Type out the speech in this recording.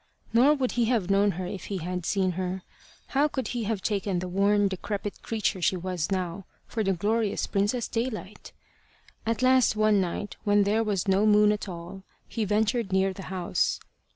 Nor would he have known her if he had seen her. How could he have taken the worn decrepit creature she was now, for the glorious Princess Daylight? At last, one night when there was no moon at all, he ventured near the house.